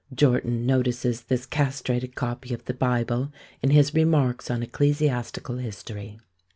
Jortin notices this castrated copy of the Bible in his Remarks on Ecclesiastical History.